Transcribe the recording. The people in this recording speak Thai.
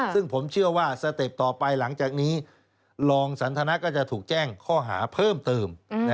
ซึ่งผมเชื่อว่าสเต็ปต่อไปหลังจากนี้รองสันทนาก็จะถูกแจ้งข้อหาเพิ่มเติม